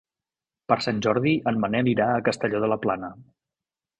Per Sant Jordi en Manel irà a Castelló de la Plana.